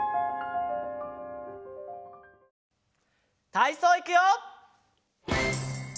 たいそういくよ！